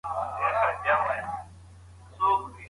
په لسګونو موږکان دلته اوسېږي